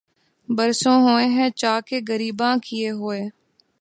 برسوں ہوئے ہیں چاکِ گریباں کئے ہوئے